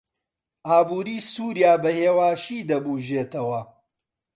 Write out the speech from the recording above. ئابووری سووریا بەهێواشی دەبوژێتەوە.